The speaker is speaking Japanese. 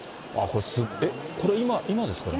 これ今ですか。